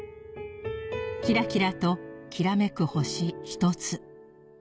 キラキラときらめく星１つ。